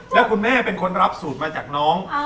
แล้วคุณแม่เป็นคนรับสูตรมาจากน้อง